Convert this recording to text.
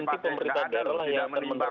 nanti pemerintah adalah yang akan menerapnya